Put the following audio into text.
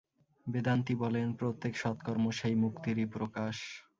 বেদান্তী বলেন, প্রত্যেক সৎ কর্ম সেই মুক্তিরই প্রকাশ।